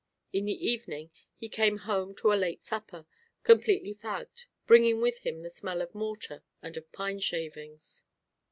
In the evening he came home to a late supper, completely fagged, bringing with him the smell of mortar and of pine shavings.